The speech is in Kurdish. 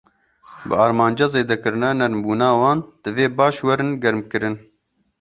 Bi armanca zêdekirina nermbûna wan, divê baş werin germkirin.